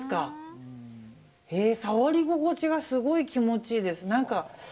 触り心地がすごい気持ちいいです。